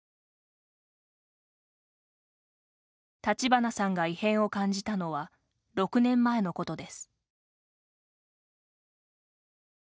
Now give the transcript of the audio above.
立花さんが異変を感じたのは６年前のことです。